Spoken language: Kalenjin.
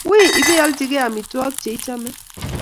Wui ipialchigei amitwogik che ichame